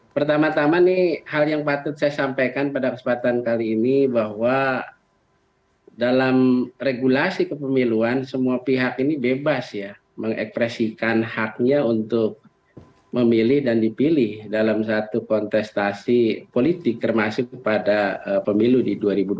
pertama tama nih hal yang patut saya sampaikan pada kesempatan kali ini bahwa dalam regulasi kepemiluan semua pihak ini bebas ya mengekspresikan haknya untuk memilih dan dipilih dalam satu kontestasi politik termasuk kepada pemilu di dua ribu dua puluh